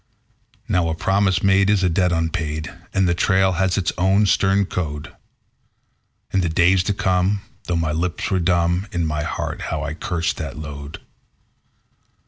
Now a promise made is a debt unpaid, and the trail has its own stern code. In the days to come, though my lips were dumb, in my heart how I cursed that load.